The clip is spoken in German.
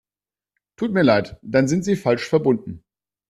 Tut mir leid, dann sind Sie falsch verbunden.